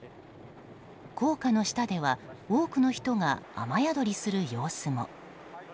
高架の下では多くの人が雨宿りする様子も。